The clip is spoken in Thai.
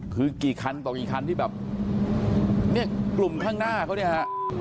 คือกี่คันต่อกี่คันที่แบบเนี่ยกลุ่มข้างหน้าเขาเนี่ยฮะ